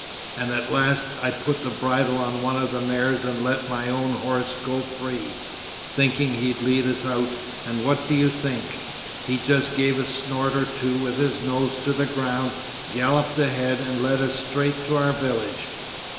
and at last I put the bridle on one of the mares and let my own horse go free thinking he'll lead us out, and what do you think! he just gave a snort or two with his nose to the ground, galloped ahead, and led us straight to our village.